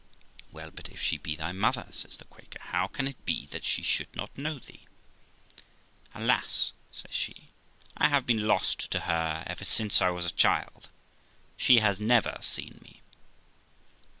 'Well, but if she be thy mother', says the Quaker, 'how can it be that she should not know thee?' 'Alas!', says she, 'I have been lost to her ever since I was a child; she has never seen me.'